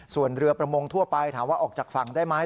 ส่วนเรือประมงทั่วไปถามว่าออกจากฝั่งได้ไหม